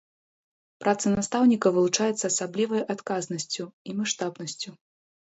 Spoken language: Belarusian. Праца настаўніка вылучаецца асаблівай адказнасцю і маштабнасцю.